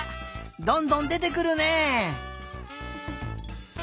どんどんでてくるね！